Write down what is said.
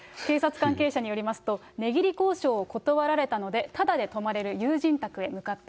警察関係者によりますと、値切り交渉を断られたので、ただで泊まれる友人宅へ向かった。